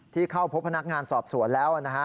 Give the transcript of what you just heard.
ที่เข้าพบพนักงานสอบสวนแล้ว